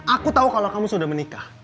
aku tahu kalau kamu sudah menikah